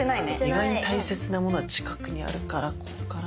意外と大切なものは近くにあるからここかな？